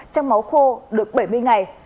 trong máu khô được bảy mươi ngày